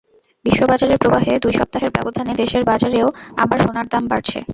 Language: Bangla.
বিশ্ববাজারের প্রভাবে দুই সপ্তাহের ব্যবধানে দেশের বাজারেও আবার সোনার দাম বাড়ছে।